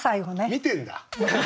見てんだ。